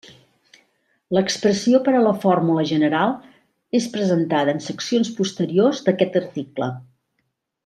L'expressió per a la fórmula general és presentada en seccions posteriors d'aquest article.